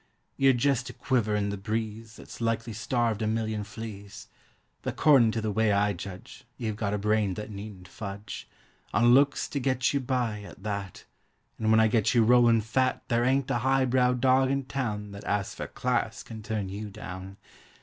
You're jest a quiver in the breeze That's likely starved a million fleas. But 'cordin' to the way I judge You've got a brain that needn't fudge On looks to get you by, at that, And when I get you rollin' fat There ain't a high brow dog in town That as for "class" can turn you down!